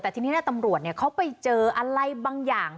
แต่ทีนี้ตำรวจเขาไปเจออะไรบางอย่าง